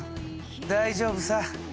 大丈夫さ！